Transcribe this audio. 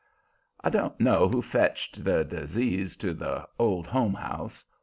I don't know who fetched the disease to the Old Home House.